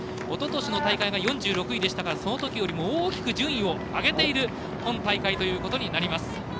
おととしの大会が４６位でしたからそのときよりも大きく順位を上げている今大会ということになりました。